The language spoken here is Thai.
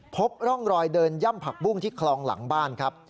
พบร่องรอยเดินย่ำผักบุ้งที่คลองหลังบ้านครับ